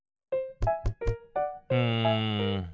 うん。